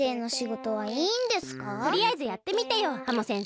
とりあえずやってみてよハモ先生。